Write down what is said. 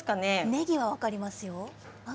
ねぎは分かりますよ。